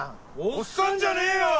おっさんじゃねえよ！